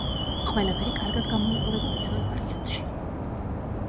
ყველაფერი კარგად გამოიყურება პირველ ვარიანტში.